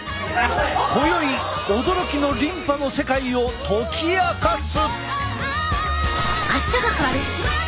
今宵驚きのリンパの世界を解き明かす！